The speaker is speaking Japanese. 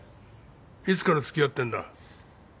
いつから付き合ってんだ？